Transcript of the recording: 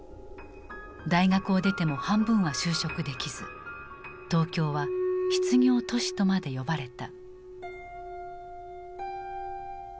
大学を出ても半分は就職できず東京は「失業都市」とまで呼ばれた。